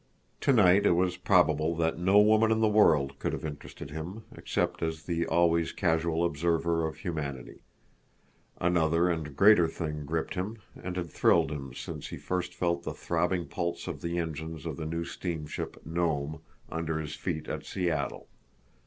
Tonight it was probable that no woman in the world could have interested him, except as the always casual observer of humanity. Another and greater thing gripped him and had thrilled him since he first felt the throbbing pulse of the engines of the new steamship Nome under his feet at Seattle.